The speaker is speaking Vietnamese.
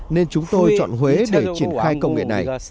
nên chúng tôi chọn huế để triển khai công nghệ này